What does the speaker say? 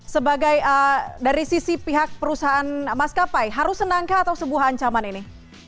sebagai dari sisi pihak perusahaan maskapai harus senangkah atau sebuah ancaman ini